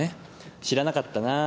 知らなかったなぁ